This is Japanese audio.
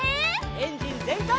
エンジンぜんかい！